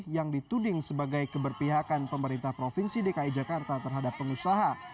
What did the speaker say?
yang dituding sebagai keberpihakan pemerintah provinsi dki jakarta terhadap pengusaha